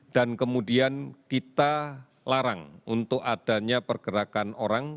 dan kemudian kita larang untuk adanya pergerakan orang